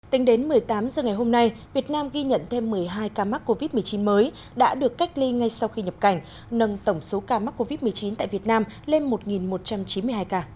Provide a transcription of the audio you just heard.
tính đến một mươi tám h ngày hôm nay việt nam ghi nhận thêm một mươi hai ca mắc covid một mươi chín mới đã được cách ly ngay sau khi nhập cảnh nâng tổng số ca mắc covid một mươi chín tại việt nam lên một một trăm chín mươi hai ca